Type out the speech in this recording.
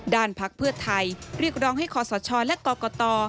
พักเพื่อไทยเรียกร้องให้คอสชและกรกต